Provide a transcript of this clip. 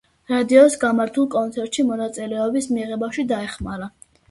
რადიოს გამართულ კონცერტში მონაწილეობის მიღებაში დაეხმარა.